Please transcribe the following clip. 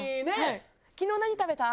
いや「昨日何食べた？」